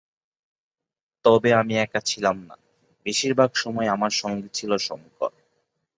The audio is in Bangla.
তবে আমি একা ছিলাম না, বেশির ভাগ সময় আমার সঙ্গী ছিল শংকর।